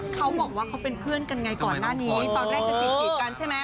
เขาบอกว่าเขาเป็นเพื่อนกันไงก่อนหน้านี้ตอนแรกจะจีบกันใช่ไหม